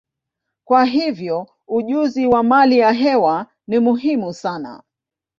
Kwa hiyo, ujuzi wa hali ya hewa ni muhimu sana.